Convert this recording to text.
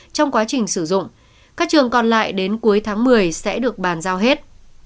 trong quá trình sử dụng các trường còn lại đến cuối tháng một mươi sẽ được bàn giao hết